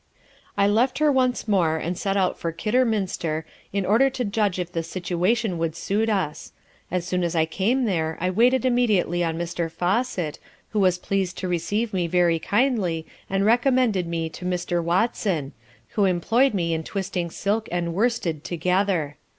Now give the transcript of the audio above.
I left her once more, and set out for Kidderminster, in order to judge if the situation would suit us. As soon as I came there I waited immediately on Mr. Fawcet, who was pleased to receive me very kindly and recommended me to Mr. Watson who employed me in twisting silk and worsted together.